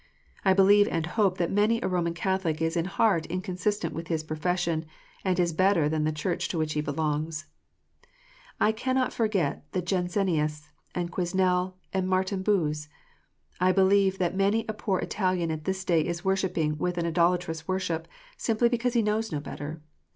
I believe and hope that many a Roman Catholic is in heart inconsistent with his profession, and is better than the Church to which he belongs. I cannot forget the Jansenists, and Quesnel, and Martin Boos. I believe that many a poor Italian at this day is worshipping with an idolatrous worship, simply because he knows no better.